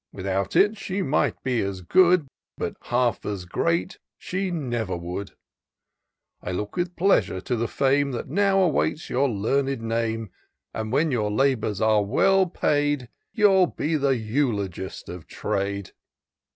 Without it she might be as good. But half as great she never would. I look with pleasure to the fame That now awaits your learned name ; And when your labours are well paid. You'll be the eulogist of trade.